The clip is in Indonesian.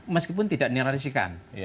meskipun tidak dinilai disikan